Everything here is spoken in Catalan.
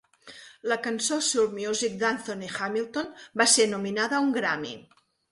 La cançó "Soul Music" d'Anthony Hamilton va ser nominada a un Grammy.